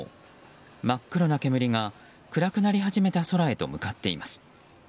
真っ黒な煙が暗くなり始めた空へと向かっています。